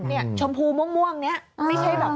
นี่ชมพูม่วงนี่ไม่ใช่